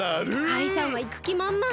カイさんはいくきまんまん。